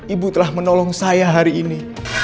ibu telah menolong saya hari ini